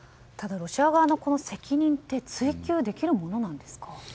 ただ、ロシア側の責任って追及できるものなんですか？